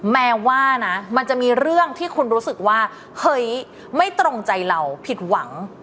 แม้ว่านะมันจะมีเรื่องที่คุณรู้สึกว่าเฮ้ยไม่ตรงใจเราผิดหวัง